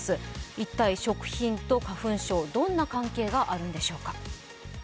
一体、食品と花粉症、どんな関係があるのでしょうか？